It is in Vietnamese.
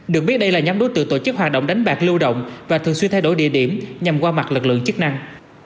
được biết đây là nhóm đối tượng tổ chức hoạt động đánh bạc lưu động và thường xuyên thay đổi địa điểm nhằm qua mặt lực lượng chức năng